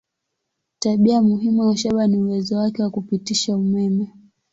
Tabia muhimu ya shaba ni uwezo wake wa kupitisha umeme.